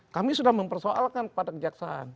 kami sudah mempersoalkan pada kejaksaan